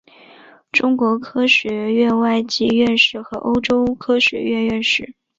中国科学院外籍院士和欧洲科学院院士。